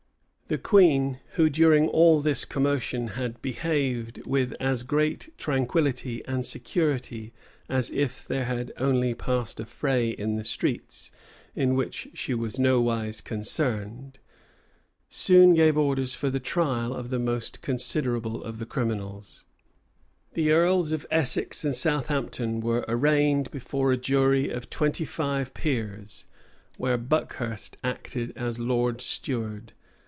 [*] The queen, who, during all this commotion, had behaved with as great tranquillity and security as if there had only passed a fray in the streets, in which she was nowise concerned,[] soon gave orders for the trial of the most considerable of the criminals. * Camden p. 632. Birch's Memoirs, vol. ii. p. 469 The earls of Essex and Southampton were arraigned before a jury of twenty five peers, where Buckhurst acted as lord steward.